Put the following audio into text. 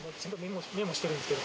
メモしてるんですけど。